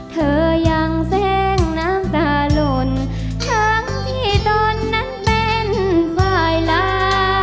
เธอยังแซ่งน้ำตาหล่นทั้งที่ตอนนั้นเป็นฝ่ายลา